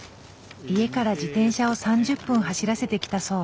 家から自転車を３０分走らせてきたそう。